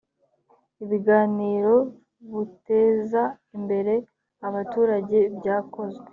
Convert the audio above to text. ibiganiro buteza imbere abaturage byakozwe